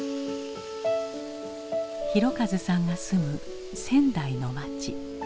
広和さんが住む仙台の街。